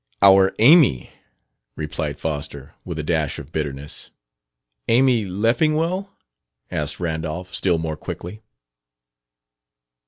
"Our Amy," replied Foster, with a dash of bitterness. "Amy Leffingwell?" asked Randolph, still more quickly.